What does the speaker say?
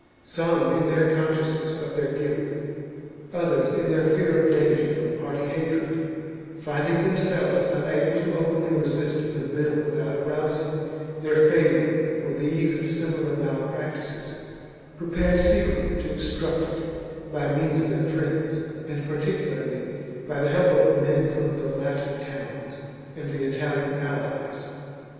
Some in their consciousness of their guilt, others in their fear of danger from party hatred, finding themselves unable to openly resist the bill without arousing their favour for these and similar malpractices, prepared secretly to obstruct it by means 1 of their friends, and particularly by the help of men from the Latin towns and the Italian allies.